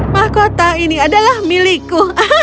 mahkota ini adalah milikku